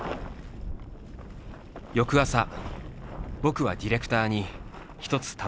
翌朝「僕」はディレクターに一つ頼み事をしていた。